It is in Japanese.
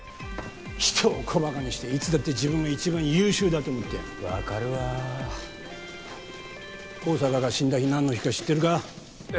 人を小ばかにしていつだって自分が一番優秀だと思ってやんの分かるわ香坂が死んだ日何の日か知ってるか？